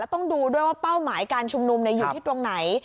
ต้องดูด้วยว่าเป้าหมายการชุมนุมอยู่ที่ตรงไหน